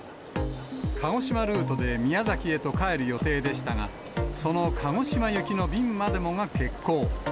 鹿児島ルートで宮崎へと帰る予定でしたが、その鹿児島行きの便までもが欠航。